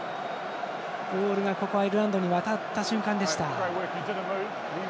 ボールがアイルランドに渡った瞬間でした。